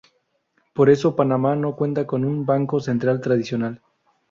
Por eso, Panamá no cuenta con un banco central tradicional.